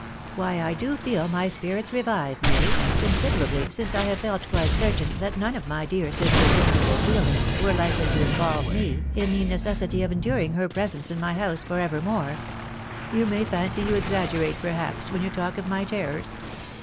" Why, I do feel my spirite revive, 'Mary, considerably, since I have felt quite certain that sume <bT any dear sister V amiable feelings were Kfkely to involve one in the necessity of enduring "her presenoe in my house aor evermore. You may fancy you exaggerate, perhaps, when pom talk of my terrors